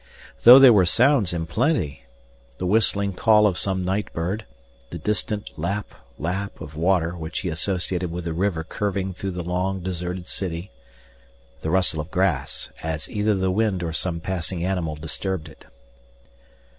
Though there were sounds in plenty. The whistling call of some night bird, the distant lap, lap of water which he associated with the river curving through the long deserted city, the rustle of grass as either the wind or some passing animal disturbed it.